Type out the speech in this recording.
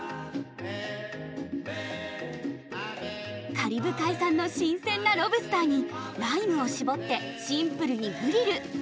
カリブ海産の新鮮なロブスターにライムを搾ってシンプルにグリル。